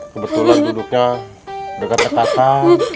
kebetulan duduknya dekat dekatan